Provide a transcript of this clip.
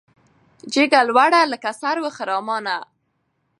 جګه لوړه لکه سرو خرامانه